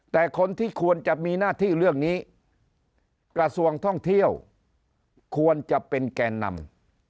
แต่คนที่ควรจะมีหน้าที่เรื่องนี้กระทรวงท่องเที่ยวควรจะเป็นแกนนำ